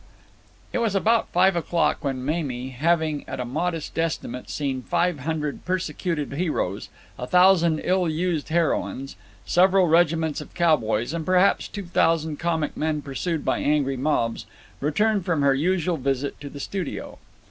It was about five o'clock when Mamie, having, at a modest estimate, seen five hundred persecuted heroes, a thousand ill used heroines, several regiments of cowboys, and perhaps two thousand comic men pursued by angry mobs, returned from her usual visit to the studio.